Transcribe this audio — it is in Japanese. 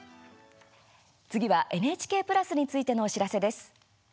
次は、ＮＨＫプラスについてのお知らせです。